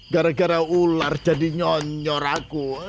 gara gara ular jadi nyonyor aku